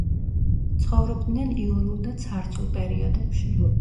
ცხოვრობდნენ იურულ და ცარცულ პერიოდებში.